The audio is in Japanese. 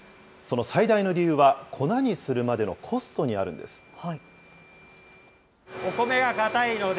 その最大の理由は粉にするまでのコストにあるんです。